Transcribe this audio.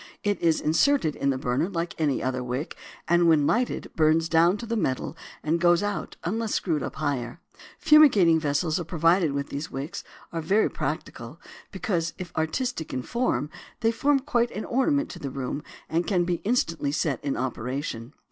It is inserted in the burner like any other wick and when lighted burns down to the metal and goes out unless screwed up higher. Fumigating vessels provided with these wicks are very practical because, if artistic in form, they form quite an ornament to the room and can be instantly set in operation.